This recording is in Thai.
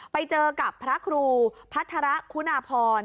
ไปเจอกับพระครูพัฒระคุณาพร